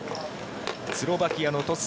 スロバキアのトス。